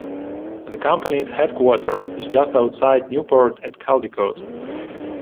The company's headquarters is just outside Newport at Caldicot.